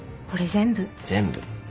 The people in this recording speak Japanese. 全部。